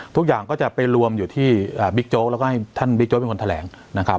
ทุกอย่างก็จะไปรวมอยู่ที่บิ๊กโจ๊กแล้วก็ให้ท่านบิ๊กโจ๊กเป็นคนแถลงนะครับ